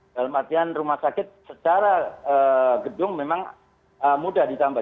dalam artian rumah sakit secara gedung memang mudah ditambah